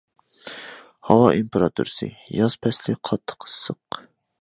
ھاۋا تېمپېراتۇرىسى ياز پەسلى قاتتىق ئىسسىق.